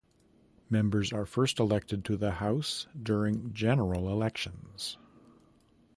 Members are first elected to the House during general elections.